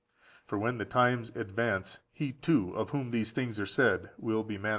For when the times advance, he too, of whom these thing are said, will be manifested.